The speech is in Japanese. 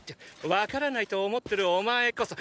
わからないと思ってるお前こそ。